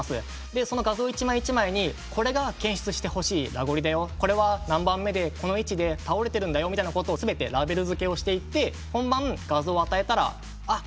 でその画像１枚１枚にこれが検出してほしいラゴリだよこれは何番目でこの位置で倒れてるんだよみたいなことを全てラベル付けをしていって本番画像を与えたらあっ